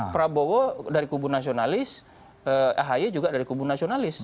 prabowo dari kubu nasionalis ahi juga dari kubu nasionalis